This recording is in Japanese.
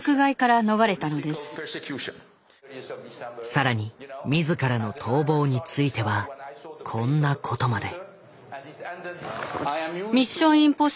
更に自らの逃亡についてはこんなことまで。